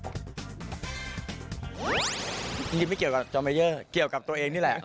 จริงไม่เกี่ยวกับจอมเมเยอร์เกี่ยวกับตัวเองนี่แหละ